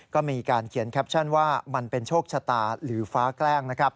ก็มีการเขียนแคปชั่นว่ามันเป็นโชคชะตาหรือฟ้าแกล้งนะครับ